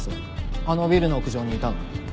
あのビルの屋上にいたの。